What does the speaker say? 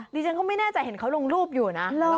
ดิฉันก็ไม่แน่ใจเห็นเขาลงรูปอยู่นะ